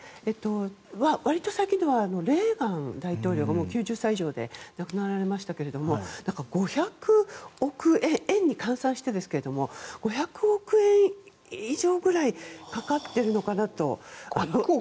割と最近ではレーガン大統領が９０歳以上で亡くなられましたが円に換算してですが５００億円以上ぐらいかかってるのかなと。